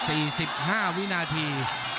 อีก๔๕วินาที